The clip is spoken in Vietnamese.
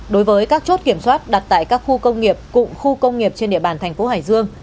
đối với các chốt kiểm soát đặt tại các khu công nghiệp cụm khu công nghiệp trên địa bàn thành phố hải dương